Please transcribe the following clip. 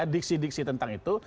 diksi diksi tentang itu